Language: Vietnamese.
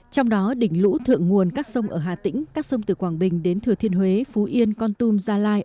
trong đó đỉnh lũ thượng nguồn các sông ở hà tĩnh các sông từ quảng bình đến thừa thiên huế phú yên con tum gia lai